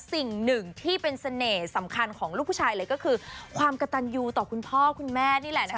สิ่งหนึ่งที่เป็นเสน่ห์สำคัญของลูกผู้ชายเลยก็คือความกระตันยูต่อคุณพ่อคุณแม่นี่แหละนะคะ